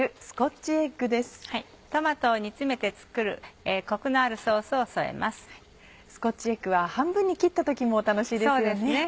スコッチエッグは半分に切った時も楽しいですよね。